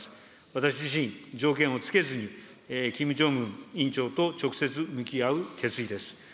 私自身、条件をつけずに、キム・ジョンウン委員長と直接向き合う決意です。